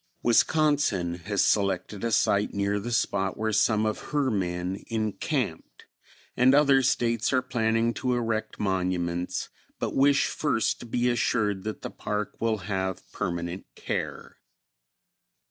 Wisconsin has selected a site near the spot where some of her men encamped; and other States are planning to erect monuments, but wish first to be assured that the park will have permanent care."